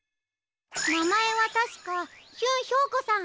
なまえはたしかヒュン・ヒョウコさん。